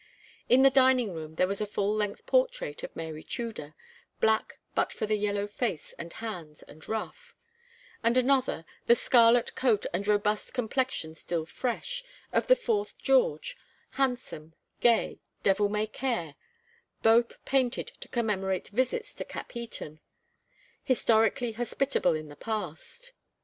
In the dining room there was a full length portrait of Mary Tudor, black but for the yellow face and hands and ruff; and another, the scarlet coat and robust complexion still fresh, of the fourth George, handsome, gay, devil may care; both painted to commemorate visits to Capheaton, historically hospitable in the past.